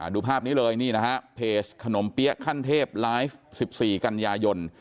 ดูภาพนี้เลยนี่นะฮะเพจขนมเปี๊ยะขั้นเทพไลฟ์๑๔กันยายน